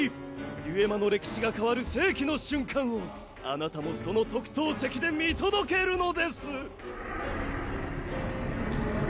デュエマの歴史が変わる世紀の瞬間をあなたもその特等席で見届けるのです！